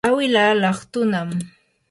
awilaa laqtunami.